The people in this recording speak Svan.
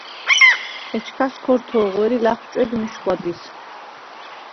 ეჩქას ქორთ’ო̄ღუ̂ერ ი ლა̈ხუ̂ჭუ̂ედ მიშგუ̂ა დის.